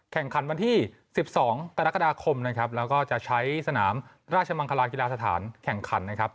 แข่งขันวันที่๑๒กรกฎาคมนะครับแล้วก็จะใช้สนามราชมังคลากีฬาสถานแข่งขันนะครับ